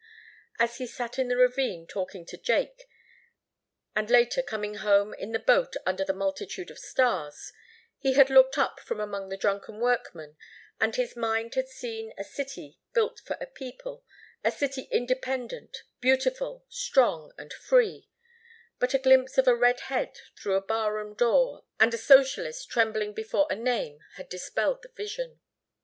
As he sat in the ravine talking to Jake, and, later, coming home in the boat under the multitude of stars, he had looked up from among the drunken workmen and his mind had seen a city built for a people, a city independent, beautiful, strong, and free, but a glimpse of a red head through a barroom door and a socialist trembling before a name had dispelled the vision.